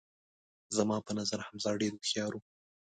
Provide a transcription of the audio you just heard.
زما په نظر حمزه ډیر هوښیار وو